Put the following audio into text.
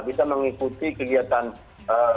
bisa mengikuti kegiatan sosial